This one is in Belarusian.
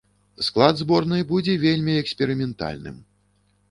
Склад зборнай будзе вельмі эксперыментальным.